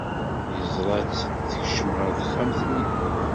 Yeẓra-tt tekcem ɣer texxamt-nni.